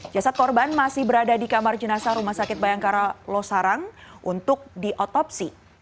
jasad korban masih berada di kamar jenazah rumah sakit bayangkara losarang untuk diotopsi